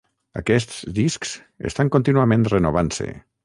Aquests discs estan contínuament renovant-se.